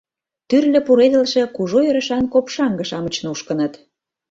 Тӱрлӧ пуредылше, кужу ӧрышан копшаҥге-шамыч нушкыныт.